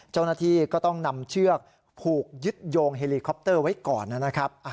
เจ้าหน้าที่ก็ต้องนำเชือกผูกยึดโยงเฮลีคอปเตอร์ไว้ก่อนนะครับ